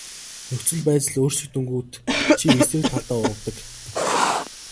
Нөхцөл байдал өөрчлөгдөнгүүт чи эсрэг талдаа урвадаг.